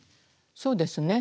そうですね。